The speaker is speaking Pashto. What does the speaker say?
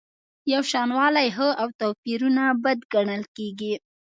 یوشانوالی ښه او توپیرونه بد ګڼل کیږي.